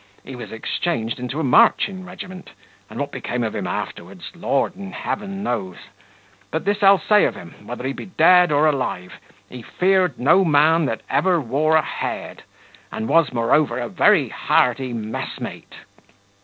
He was exchanged into a marching regiment, and what became of him afterwards, Lord in heaven knows; but this I'll say of him, whether he be dead or alive, he feared no man that ever wore a head, and was, moreover, a very hearty messmate."